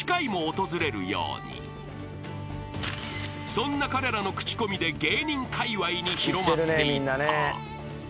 ［そんな彼らの口コミで芸人かいわいに広まっていった］